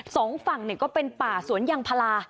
สองฝั่งเนี่ยก็เป็นป่าสวนยังภาระ